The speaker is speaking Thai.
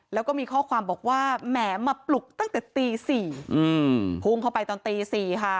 แล้วก็มีข้อความบอกว่าแหมมาปลุกตั้งแต่ตี๔พุ่งเข้าไปตอนตี๔ค่ะ